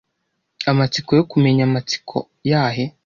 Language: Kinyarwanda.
Amatsiko yo kumenya amatsiko ?yahe?